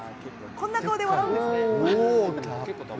こんな顔で笑うんですね。